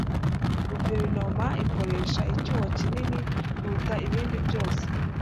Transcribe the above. guverinoma ikoresha icyuho kinini kuruta ibindi byose